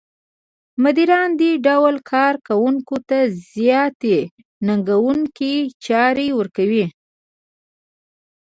مديران دې ډول کار کوونکو ته زیاتې ننګوونکې چارې ورکوي.